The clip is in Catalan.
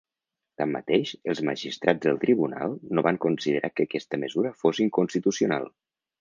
Tanmateix, els magistrats del tribunal no van considerar que aquesta mesura fos inconstitucional.